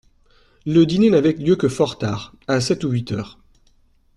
Le dîner n'avait lieu que fort tard, à sept ou huit heures.